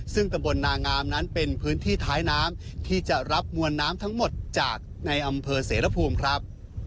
ซึ่งตำบลนางามนั้นเป็นพื้นที่ท้ายน้ำที่จะรับมวลน้ำทั้งหมดจากในอำเภอเสรภูมิครับ